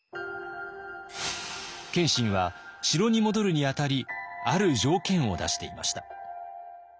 謙信は城に戻るにあたりある条件を出していました。